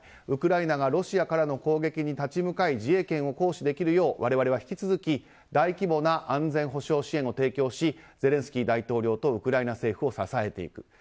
ウクライナがロシアからの攻撃に立ち向かい自衛権を行使できるよう我々は引き続き大規模な安全保障支援を提供しゼレンスキー大統領とウクライナ政府を支えていく。